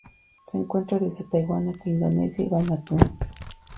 Se encuentra desde Taiwán hasta Indonesia y Vanuatu.